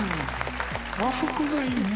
和服がいいね。